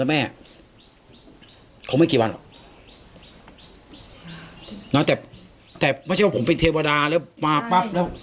แม่คงไม่กี่วันหรอกเนอะแต่แต่ไม่ใช่ว่าผมเป็นเทวดาแล้วมาปั๊บแล้ว